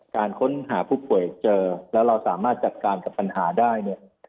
การค้นหาผู้ป่วยเจอแล้วเราสามารถจัดการกับปัญหาได้เนี่ย